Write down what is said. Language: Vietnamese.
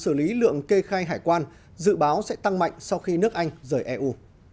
sử lý lượng kê khai hải quan dự báo sẽ tăng mạnh sau khi nước anh rời eu